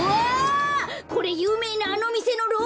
これゆうめいなあのみせのロールケーキ！